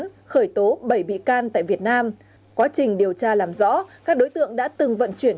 khởi tố bảy bị can tại việt nam quá trình điều tra làm rõ các đối tượng đã từng vận chuyển